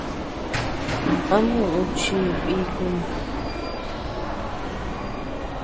¿A muʼu chii bikum?